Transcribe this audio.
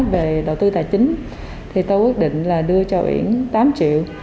về đầu tư tài chính thì tôi quyết định là đưa cho uyển tám triệu